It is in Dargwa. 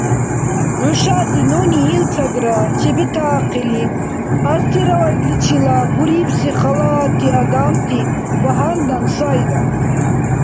ХӀушази нуни илцадра чебетаахъили астероидличила бурибси халати адамти багьандан сайра.